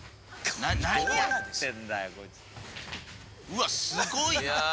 うわっすごいな！